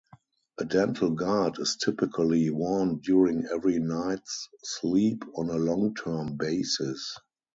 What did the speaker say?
A dental guard is typically worn during every night's sleep on a long-term basis.